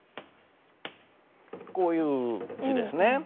こういう字ですね。